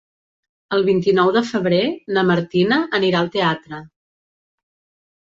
El vint-i-nou de febrer na Martina anirà al teatre.